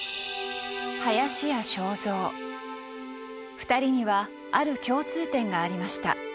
２人にはある共通点がありました。